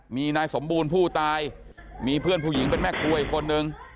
มีนายสมบูรณ์ผู้ตายมีเพื่อนผู้หญิงเป็นแม่ครัวอีกคนนึง